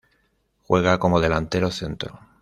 Juega como delantero centro.